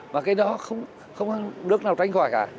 mà cái đó không được nào tránh khỏi cả